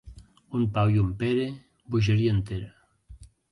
Un Pau i un Pere, bogeria entera.